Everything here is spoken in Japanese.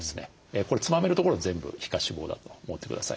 これつまめるところは全部皮下脂肪だと思ってください。